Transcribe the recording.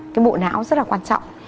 cái bộ não rất là quan trọng